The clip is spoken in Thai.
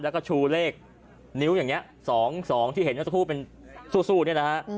และชูเลขนิ้วอย่างนี้๒ที่เคยฟูเป็นซูนี่นะ